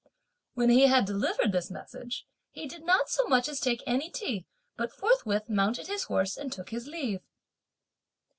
When he had delivered this message, he did not so much as take any tea, but forthwith mounted his horse and took his leave.